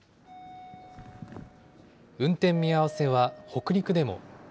運転見合わせは北陸でも。